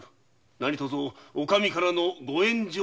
何とぞお上からのご援助を。